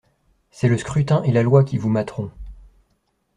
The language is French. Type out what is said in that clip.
C'est le scrutin et la loi qui vous materont.